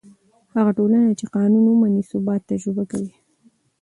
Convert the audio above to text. هغه ټولنه چې قانون ومني، ثبات تجربه کوي.